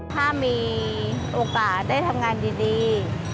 ถ้ามีโอกาสได้ทำงานดี